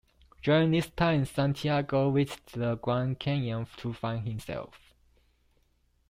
During this time, Santiago visited the Grand Canyon to find himself.